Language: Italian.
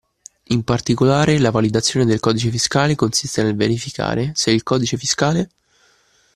In particolare, la validazione del codice fiscale consiste nel verificare se il codice fiscale